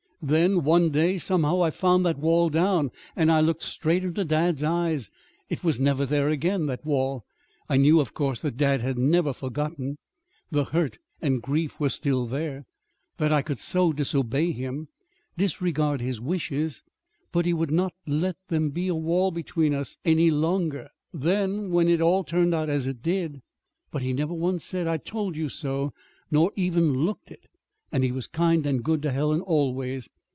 Then, one day, somehow, I found that wall down, and I looked straight into dad's eyes. It was never there again that wall. I knew, of course, that dad had never forgotten. The hurt and grief were still there, that I could so disobey him, disregard his wishes, but he would not let them be a wall between us any longer. Then, when it all turned out as it did But he never once said, 'I told you so,' nor even looked it. And he was kind and good to Helen always.